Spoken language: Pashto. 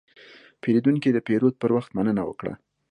پیرودونکی د پیرود پر وخت مننه وکړه.